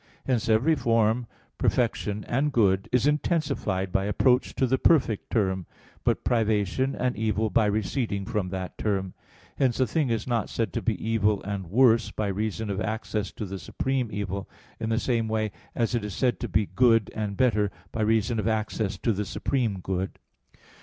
Hence every form, perfection, and good is intensified by approach to the perfect term; but privation and evil by receding from that term. Hence a thing is not said to be evil and worse, by reason of access to the supreme evil, in the same way as it is said to be good and better, by reason of access to the supreme good.